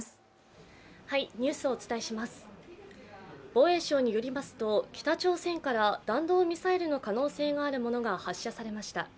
防衛省によりますと北朝鮮から弾道ミサイルの可能性があるものが発射されました。